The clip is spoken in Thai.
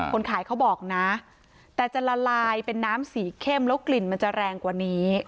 คนขายเขาบอกนะแต่จะละลายเป็นน้ำสีเข้มแล้วกลิ่นมันจะแรงกว่านี้